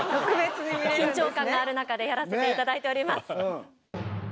緊張感がある中でやらせて頂いております。